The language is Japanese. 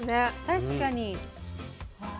確かに。